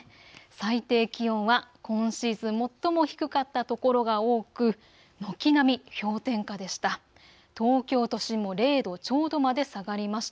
最低気温は今シーズン最も低かったところが多く軒並み氷点下でした。